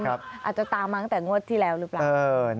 อาจจะตามมาตั้งแต่งวดที่แล้วหรือเปล่า